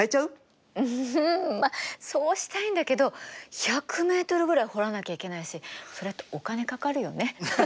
うんまあそうしたいんだけど１００メートルぐらい掘らなきゃいけないしそれってお金かかるよね。